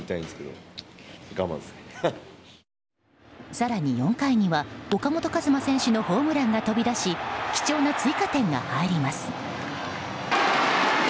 更に４回には岡本和真選手のホームランが飛び出し貴重な追加点が入ります。